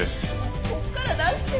ここから出してよ。